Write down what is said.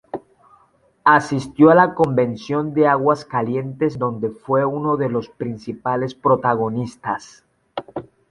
Asistió a la Convención de Aguascalientes donde fue uno de los principales protagonistas.